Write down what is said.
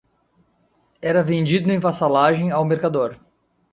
era vendido em vassalagem ao mercador